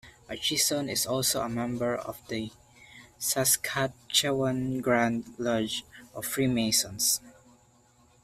Atchison is also a member of the Saskatchewan Grand Lodge of Freemasons.